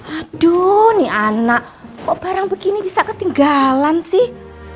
aduh ini anak kok barang begini bisa ketinggalan sih